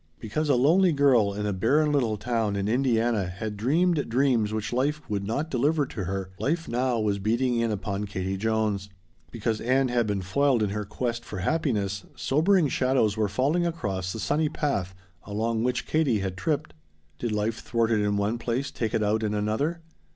Because a lonely girl in a barren little town in Indiana had dreamed dreams which life would not deliver to her, life now was beating in upon Katie Jones. Because Ann had been foiled in her quest for happiness, sobering shadows were falling across the sunny path along which Katie had tripped. Did life thwarted in one place take it out in another?